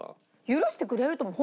許してくれると思う。